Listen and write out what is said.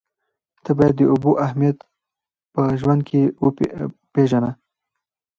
ته باید د اوبو اهمیت په ژوند کې پېژنه.